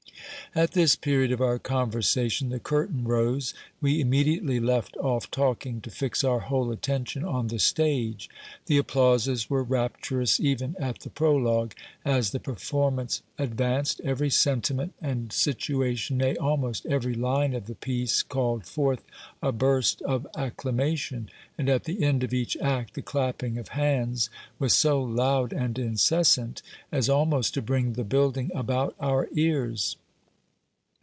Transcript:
At this period of our conversation the curtain rose. We immediately left off talking, to fix our whole attention on the stage. The applauses were rapturous even at the prologue : as the performance advanced, every sentiment and situation, nay, almost every line of the piece called forth a burst of acclamation ; and at the end of each act the clapping of hands was so loud and incessant, as almost to bring the building about our ears.